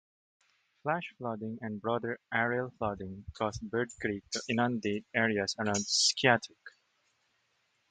Flash flooding and broader areal flooding caused Bird Creek to inundate areas around Skiatook.